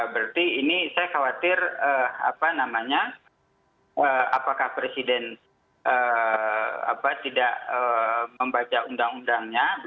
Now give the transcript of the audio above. berarti ini saya khawatir apakah presiden tidak membaca undang undangnya